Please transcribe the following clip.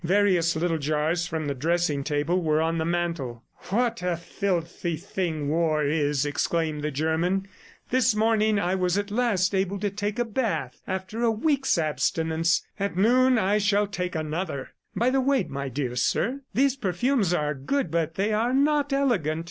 Various little jars from the dressing table were on the mantel. "What a filthy thing war is!" exclaimed the German. "This morning I was at last able to take a bath after a week's abstinence; at noon I shall take another. By the way, my dear sir, these perfumes are good, but they are not elegant.